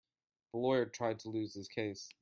The lawyer tried to lose his case.